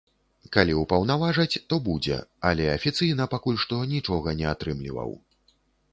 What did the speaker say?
Калі ўпаўнаважаць, то будзе, але афіцыйна пакуль што нічога не атрымліваў.